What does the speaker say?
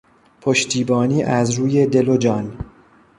پشتیبانی از روی دل و جان